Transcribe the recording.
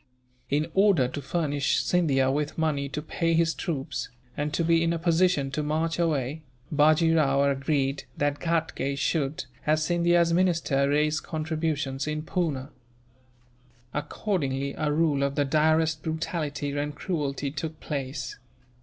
In order to furnish Scindia with money to pay his troops, and to be in a position to march away, Bajee Rao agreed that Ghatgay should, as Scindia's minister, raise contributions in Poona. Accordingly, a rule of the direst brutality and cruelty took place.